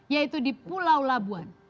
yaitu di pulau labuan